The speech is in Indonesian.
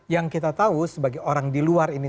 yang kita tahu sebagai orang di luar ini